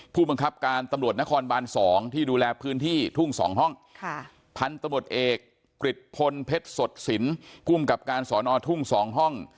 ผู้บังคับการตำรวจนครบาล๒ที่ดูแลพื้นที่ทุ่ง๒ห้อง